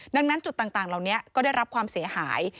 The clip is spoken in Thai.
ดังนั้นจุดต่างเหล่านี้ก็ได้รับความเสียหาย